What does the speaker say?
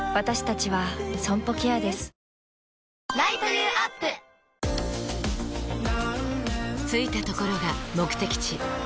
えー着いたところが目的地